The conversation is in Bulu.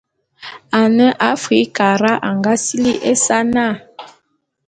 Ane Afrikara a nga sili ésa na.